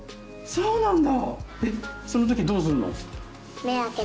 そうなんだ！